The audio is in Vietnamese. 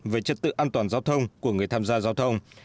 về trật tự an toàn giao thông của người tham gia giao thông